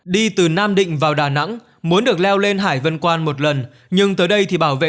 đi từ nam định vào đà nẵng muốn được leo lên hải vân quan một lần nhưng tới đây thì bảo vệ